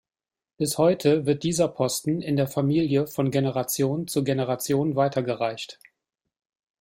Bis heute wird dieser Posten in der Familie von Generation zu Generation weitergereicht.